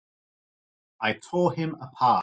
I tore him apart!